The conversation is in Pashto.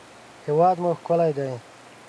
هېواد مو ښکلی دی